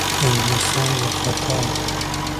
انګلیسیان وارخطا وه.